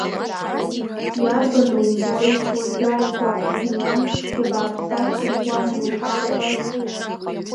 Иарбану умбои, уажәааигәа, абни амшцәгьа бааԥс ашьҭахь уан иуҿалҵаз!